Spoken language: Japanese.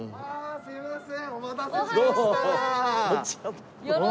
すいません。